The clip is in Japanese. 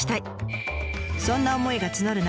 そんな思いが募る中